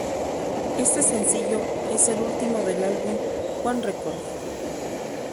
Este sencillo es el último del álbum "On Record".